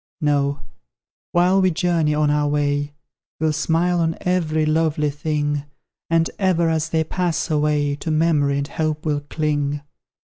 No! while we journey on our way, We'll smile on every lovely thing; And ever, as they pass away, To memory and hope we'll cling.